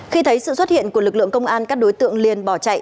khi thấy sự xuất hiện của lực lượng công an các đối tượng liền bỏ chạy